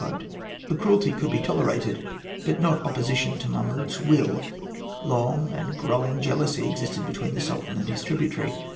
The cruelty could be tolerated; but not opposition to Mahmud's will. Long and growing jealousy existed between the Sultan and his tributary.